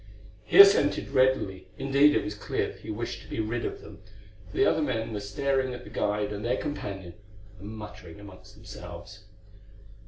He assented readily, indeed it was clear that he wished to be rid of them, for the other men were staring at the guide and their companion, and muttering amongst themselves.